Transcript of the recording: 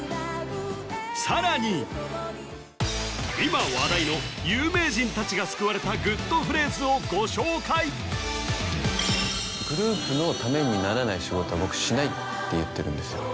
さらに今話題の有名人たちが救われたグッとフレーズをご紹介グループのためにならない仕事は僕しないって言ってるんですよ